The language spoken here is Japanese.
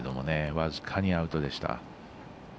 僅かにアウトでした。